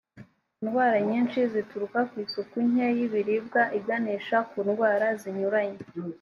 indwara nyinshi zituruka ku isuku nke y ibiribwa iganisha ku ndwara zinyuranye